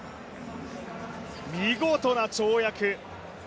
見事な跳躍。